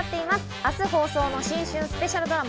明日放送の新春スペシャルドラマ